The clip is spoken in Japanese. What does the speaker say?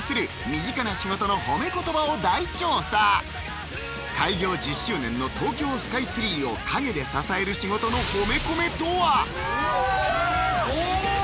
身近な仕事の褒め言葉を大調査開業１０周年の東京スカイツリーを陰で支える仕事の褒めコメとはうわ怖っいや